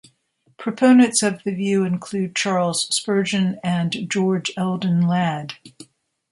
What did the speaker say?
Proponents of the view include Charles Spurgeon and George Eldon Ladd.